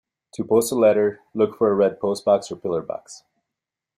To post a letter, look for a red postbox or pillar box